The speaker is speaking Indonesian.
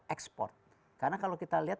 ekspor karena kalau kita lihat